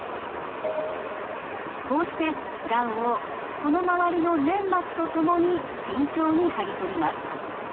こうしてがんをその周りの粘膜とともに慎重に剥ぎ取ります。